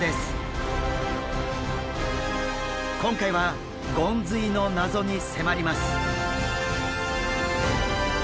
今回はゴンズイの謎に迫ります。